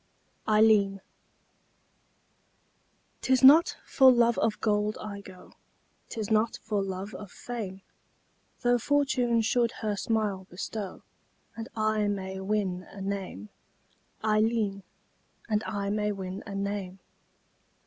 AILLEEN 'Tis not for love of gold I go, 'Tis not for love of fame; Tho' Fortune should her smile bestow, And I may win a name, Ailleen, And I may win a name.